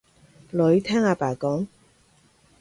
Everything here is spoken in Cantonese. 女，聽阿爸講